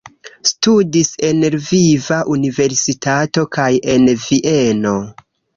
Studis en Lviva Universitato kaj en Vieno.